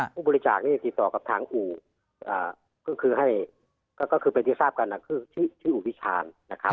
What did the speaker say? ผู้บริจาคนี่ติดต่อกับทางอู่ก็คือให้ก็คือเป็นที่ทราบกันคือชื่ออู่วิชาญนะครับ